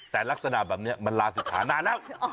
แต่ลักษณะแบบนี้มันลาศิกษานานแล้ว